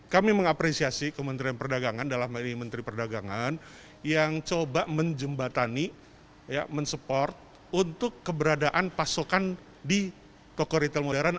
kami mengapresiasi kementerian perdagangan yang menjembatani untuk keberadaan pasokan di toko ritel modern